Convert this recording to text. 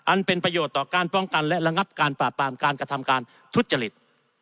อันเป็นประโยชน์ต่อการป้องกันและระงับการปราบปรามการกระทำการทุจริต